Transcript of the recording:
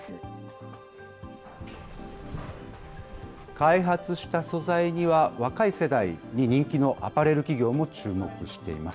開発した素材には、若い世代に人気のアパレル企業も注目しています。